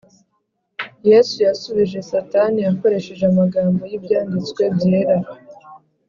Yesu yasubije Satani akoresheje amagambo y’Ibyanditswe byera.